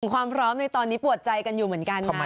ความพร้อมในตอนนี้ปวดใจกันอยู่เหมือนกันนะ